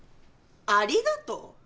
「ありがとう」？